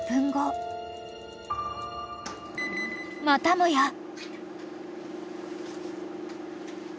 ［またもや］